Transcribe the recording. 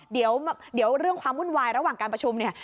เดี๋ยวเรื่องความวุ่นวายระหว่างการประชุมเนี่ย